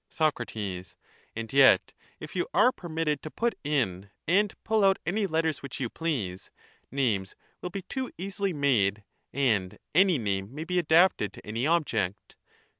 Soc: And yet, if you are permitted to put in and pull out any letters which you please, names will be too easily made, and any name may be adapted to any object.